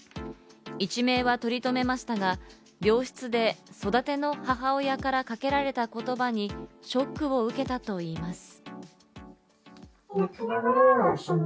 一命は取り留めましたが、病室で育ての母親からかけられた言葉に、ショックを受けたといいます。